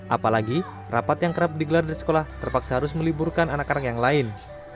apalagi rapat yang kerap digelar di sekolah terpaksa harus meliburkan anak anak yang lain